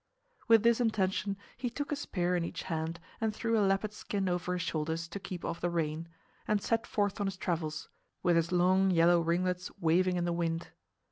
With this intention he took a spear in each hand and threw a leopard's skin over his shoulders to keep off the rain, and set forth on his travels, with his long yellow ringlets waving in the wind.